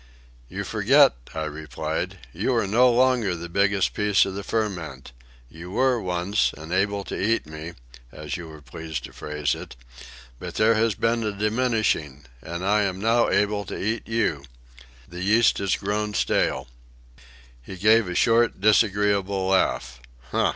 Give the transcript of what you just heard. "You forget," I replied. "You are no longer the biggest bit of the ferment. You were, once, and able to eat me, as you were pleased to phrase it; but there has been a diminishing, and I am now able to eat you. The yeast has grown stale." He gave a short, disagreeable laugh.